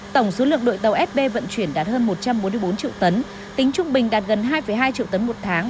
tổng số lượng đội tàu sb vận chuyển đạt hơn một trăm bốn mươi bốn triệu tấn tính trung bình đạt gần hai hai triệu tấn một tháng